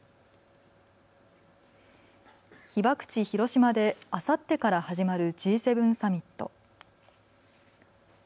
被爆地、広島であさってから始まるＧ７サミット。